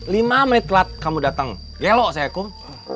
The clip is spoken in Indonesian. lima menit lat kamu datang gelo saya kum